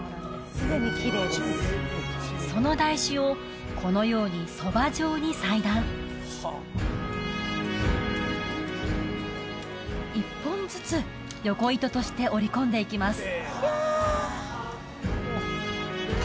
その台紙をこのようにそば状に裁断１本ずつ横糸として織り込んでいきます